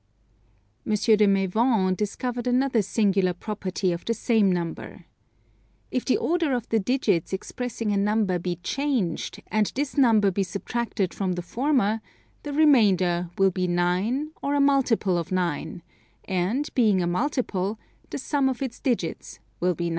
M. de Maivan discovered another singular property of the same number. If the order of the digits expressing a number be changed, and this number be subtracted from the former, the remainder will be 9 or a multiple of 9, and, being a multiple, the sum of its digits will be 9.